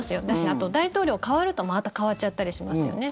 あと大統領が代わるとまた変わっちゃったりしますね。